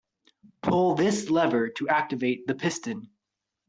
Pull this lever to activate the piston.